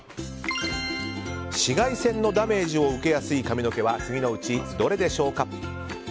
紫外線のダメージを受けやすい髪の毛は次のうちどれでしょうか。